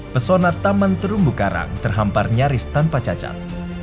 pesona taman terumbu karang terhampar nyaris tanpa cacat